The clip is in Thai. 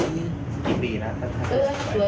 กี่ปีแล้ว